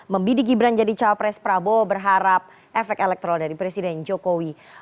membidik gibran jadi cawa pres prabowo berharap efek elektrol dari presiden jokowi